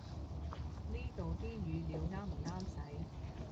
呢度啲語料啱唔啱使